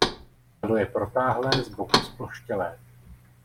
Tělo je protáhlé z boků zploštělé.